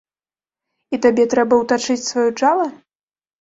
І табе трэба ўтачыць сваё джала?